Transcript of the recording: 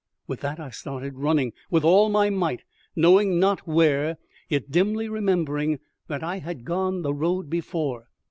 With that I started running with all my might, knowing not where, yet dimly remembering that I had gone the road before.